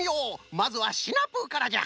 まずはシナプーからじゃ。